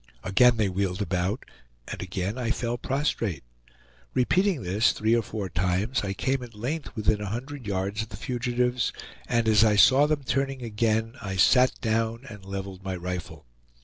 Again they wheeled about, and again I fell prostrate. Repeating this three or four times, I came at length within a hundred yards of the fugitives, and as I saw them turning again I sat down and leveled my rifle.